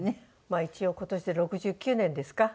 まあ一応今年で６９年ですか。